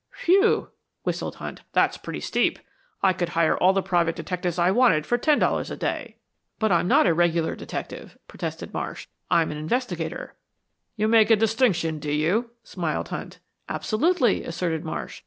"Whew!" whistled Hunt, "that's pretty steep. I could hire all the private detectives I wanted for ten dollars a day." "But I'm not a regular detective," protested Marsh. "I'm an investigator." "You make a distinction, do you?" smiled Hunt. "Absolutely," asserted Marsh.